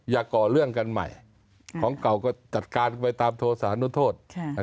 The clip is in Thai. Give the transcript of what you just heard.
ก่อเรื่องกันใหม่ของเก่าก็จัดการไปตามโทษานุโทษ